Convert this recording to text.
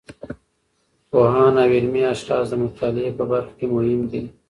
پوهان او علمي اشخاص د مطالعې په برخه کې مهم دي.